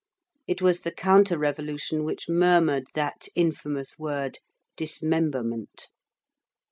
It was the counter revolution which murmured that infamous word "dismemberment."